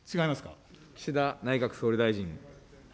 岸田内閣総理大臣。